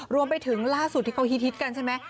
รวมไปถึงล่าสุดที่เขาฮิตกันใช่ไหม